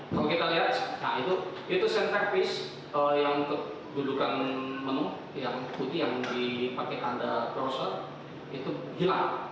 kalau kita lihat nah itu itu senter pis yang dudukan menu yang putih yang dipakai tanda crosser itu hilang